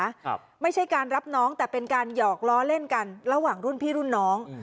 ครับไม่ใช่การรับน้องแต่เป็นการหยอกล้อเล่นกันระหว่างรุ่นพี่รุ่นน้องอืม